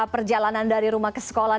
perjalanan dari rumah ke sekolah